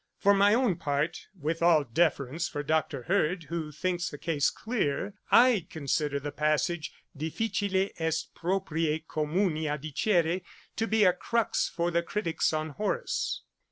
For my own part (with all deference for Dr. Hurd, who thinks the case clear,) I consider the passage, 'Difficile est propriè communia dicere,' to be a crux for the criticks on Horace.